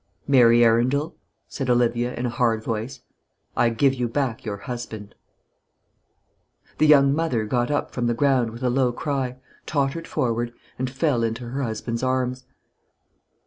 "Mary Arundel," said Olivia, in a hard voice, "I give you back your husband." The young mother got up from the ground with a low cry, tottered forward, and fell into her husband's arms.